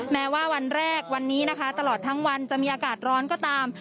แม้ว่าวันแรกวันนี้นะคะตลอดทั้งวันจะมีอากาศร้อนก็ตาม